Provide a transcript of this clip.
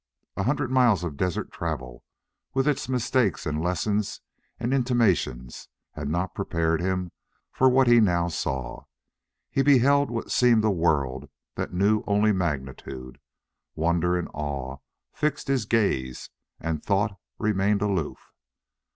A hundred miles of desert travel, with its mistakes and lessons and intimations, had not prepared him for what he now saw. He beheld what seemed a world that knew only magnitude. Wonder and awe fixed his gaze, and thought remained aloof.